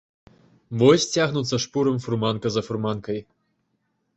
Вось цягнуцца шпурам фурманка за фурманкай.